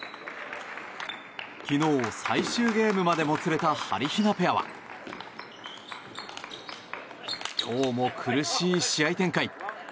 昨日、最終ゲームまでもつれたはりひなペアは今日も苦しい試合展開。